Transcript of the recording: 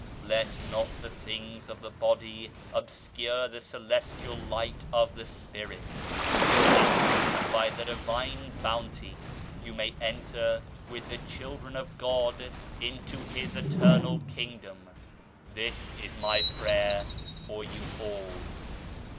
Let not the things of the body obscure the celestial light of the Spirit, so that, by the Divine Bounty, you may enter with the children of God into His Eternal Kingdom. This is my prayer for you all.